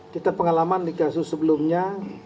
kita pengalaman di kasus sebelumnya